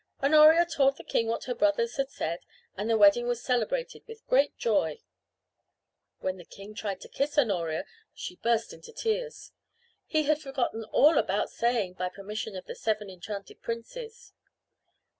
Honoria told the king what her brothers had said and the wedding was celebrated with great joy. When the king tried to kiss Honoria she burst into tears. He had forgotten all about saying: "By permission of the seven enchanted princes."